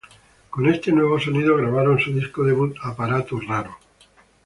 Con este nuevo sonido grabaron su disco debut, "Aparato Raro".